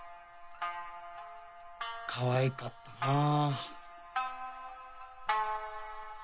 かわいかったなあ。